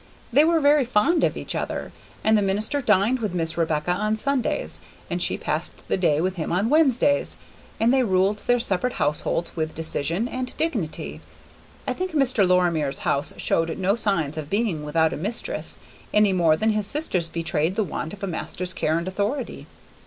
They were very fond of each other, and the minister dined with Miss Rebecca on Sundays, and she passed the day with him on Wednesdays, and they ruled their separate households with decision and dignity. I think Mr. Lorimer's house showed no signs of being without a mistress, any more than his sister's betrayed the want of a master's care and authority.